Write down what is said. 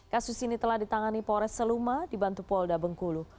kasus ini telah ditangani polres seluma dibantu polda bengkulu